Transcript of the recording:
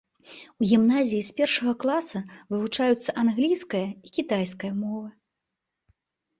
У гімназіі з першага класа вывучаюцца англійская і кітайская мовы.